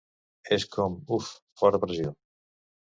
És com: 'Uf! Fora pressió'.